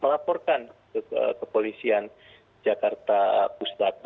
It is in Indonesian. melaporkan ke kepolisian jakarta pusat